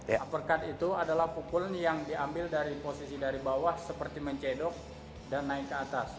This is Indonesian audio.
uppercut itu adalah pukulan yang diambil dari posisi dari bawah seperti mencedok dan naik ke atas